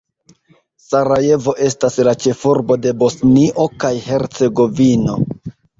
Sarajevo estas la ĉefurbo de Bosnio kaj Hercegovino.